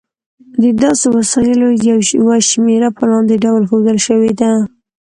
د داسې وسایلو یوه شمېره په لاندې ډول ښودل شوې ده.